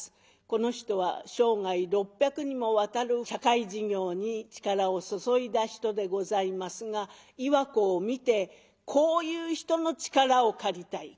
この人は生涯６００にもわたる社会事業に力を注いだ人でございますが岩子を見て「こういう人の力を借りたい。